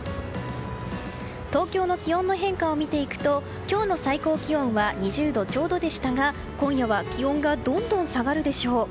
東京の気温の変化を見ていくと今日の最高気温は２０度ちょうどでしたが今夜は気温がどんどん下がるでしょう。